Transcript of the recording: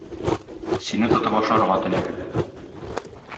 Сине тотып ашарга теләр.